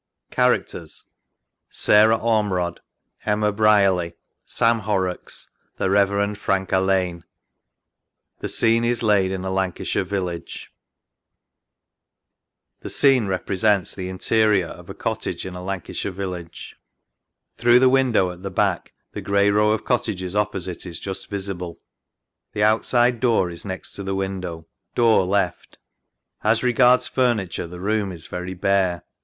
Characters Sarah Ormerod Emma Brierly Sam Horrocks The Rev. Frank Alleyne The Scene is laid in a Lancashire village. Reprinted by permission of the publisher, Le Roy Phillips. LONESOME LIKE The Scene represents the interior of a cottage in a Lan cashire Village. Through the window at the back the grey row of cottages opposite is just visible. The outside door is next to the window. Door left. A s regards furniture the room is very bare.